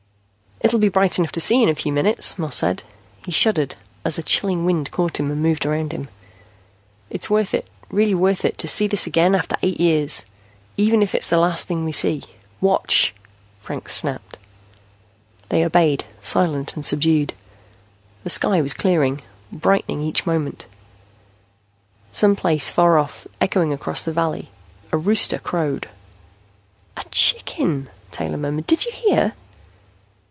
"It'll be bright enough to see in a few minutes," Moss said. He shuddered as a chilling wind caught him and moved around him. "It's worth it, really worth it, to see this again after eight years. Even if it's the last thing we see " "Watch," Franks snapped. They obeyed, silent and subdued. The sky was clearing, brightening each moment. Some place far off, echoing across the valley, a rooster crowed. "A chicken!" Taylor murmured. "Did you hear?"